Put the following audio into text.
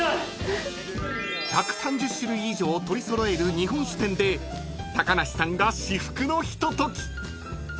［１３０種類以上取り揃える日本酒店で高梨さんが至福のひととき］